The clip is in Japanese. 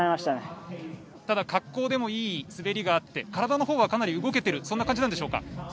ただ、滑降でもいい滑りがあって体のほうはかなり動けているという感じでしょうか？